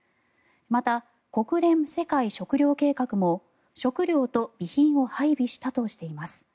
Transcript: また、国連世界食糧計画も食糧と備品を配備したとしています。